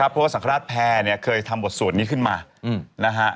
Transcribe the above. เพราะสังคราศแพ่เคยทำบทสวดนี้ขึ้นมานะฮะ